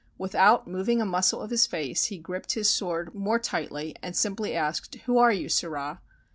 Without moving a muscle of his face he gripped his sword more tightly and simply asked: "Who are you, sirrah?"